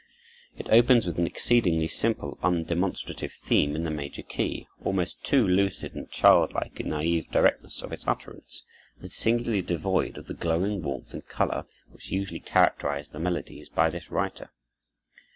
It opens with an exceedingly simple, undemonstrative theme, in the major key, almost too lucid and childlike in the naïve directness of its utterance, and singularly devoid of the glowing warmth and color which usually characterize the melodies by this writer.